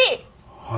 はい。